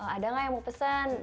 ada nggak yang mau pesan